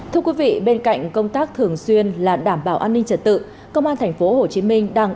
thưa quý vị bên cạnh công tác thường xuyên là đảm bảo an ninh trật tự công an tp hcm đang